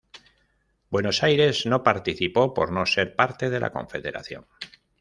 Buenos Aires no participó por no ser parte de la Confederación.